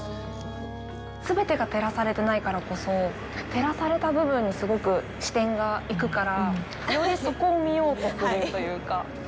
すべてが照らされてないからこそ照らされた部分にすごく視点が行くからより、そこを見ようとするというか。